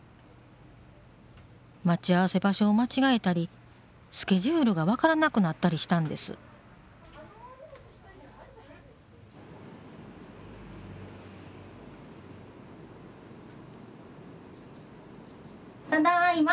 待ち合わせ場所を間違えたりスケジュールが分からなくなったりしたんですただいま。